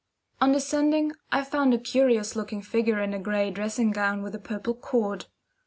On descending I found a curious looking figure in a gray dressing gown with a purple cord.